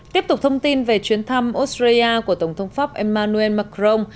tiếp tục thông tin về chuyến thăm australia của tổng thống pháp emmanuel macron